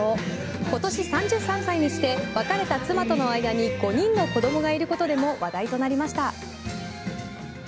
今年３３歳にして別れた妻との間に５人の子供がいることでも話題となりました。